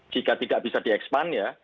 jika tidak bisa di expand ya